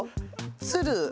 「つる」。